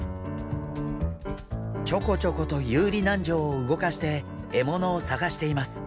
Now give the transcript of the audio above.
ちょこちょこと遊離軟条を動かして獲物を探しています。